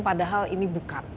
padahal ini bukan